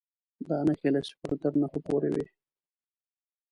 دا نښې له صفر تر نهو پورې وې.